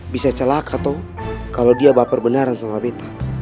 bisa celaka toh kalo dia baper benaran sama beta